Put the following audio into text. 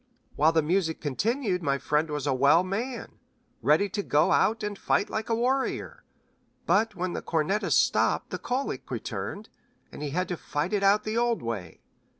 "While the music continued my friend was a well man, ready to go out and fight like a warrior; but when the cornetist stopped the colic returned, and he had to fight it out in the old way.